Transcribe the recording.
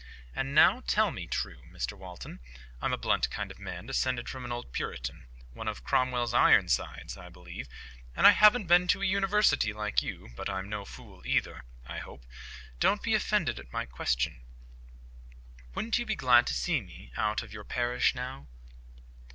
And now tell me true, Mr Walton,—I'm a blunt kind of man, descended from an old Puritan, one of Cromwell's Ironsides, I believe, and I haven't been to a university like you, but I'm no fool either, I hope,—don't be offended at my question: wouldn't you be glad to see me out of your parish now?"